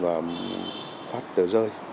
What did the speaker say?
và phát tờ rơi